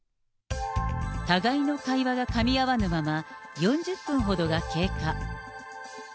互いの会話がかみ合わぬまま、４０分ほどが経過。